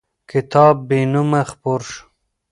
کتاب بېنومه خپور شو.